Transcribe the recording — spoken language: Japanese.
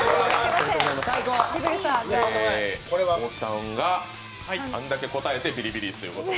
大木さんがあんだけ答えてビリビリ椅子ということで。